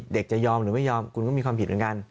จะยอมหรือไม่ยอมคุณก็มีความผิดเหมือนกัน